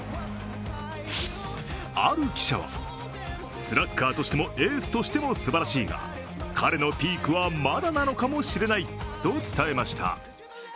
ある記者は、スラッガーとしてもエースとしてもすばらしいが、彼のピークはまだなのかもしれないと伝えました。